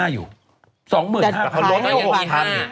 แต่พอลดให้๖มี๕